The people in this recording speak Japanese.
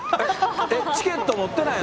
チケット持ってないの？